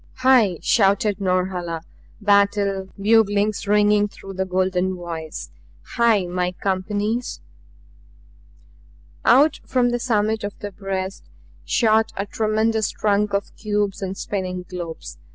"HAI!" shouted Norhala, battle buglings ringing through the golden voice. "HAI! my companies!" Out from the summit of the breast shot a tremendous trunk of cubes and spinning globes.